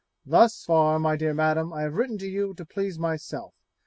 Thus far, my dear Madam, I have written to please myself.